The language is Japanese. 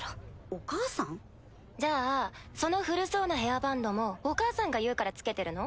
お母さん？じゃあその古そうなヘアバンドもお母さんが言うから着けてるの？